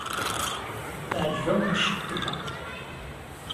Teɛjeb-awent ccikula.